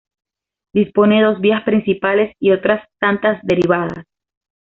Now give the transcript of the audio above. Dispone de dos vías principales y otras tantas derivadas.